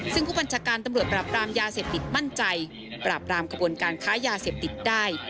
ซึ่งผู้บัญชาการตำรวจปราบรามยาเสพติดมั่นใจปราบรามกระบวนการค้ายาเสพติดได้